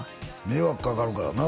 迷惑かかるからな